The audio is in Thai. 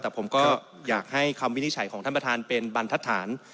แต่ผมก็อยากให้คำวินิจฉัยของท่านประธานเป็นบรรทัศน